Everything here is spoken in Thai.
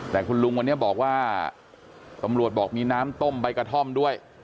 แต่คุณลุงวันนี้บอกว่าตำรวจบอกมีน้ำต้มใบกระท่อมด้วย